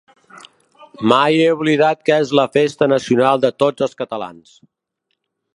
Mai he oblidat que és la festa nacional de tots els catalans.